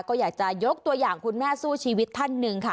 ก็อยากจะยกตัวอย่างคุณแม่สู้ชีวิตท่านหนึ่งค่ะ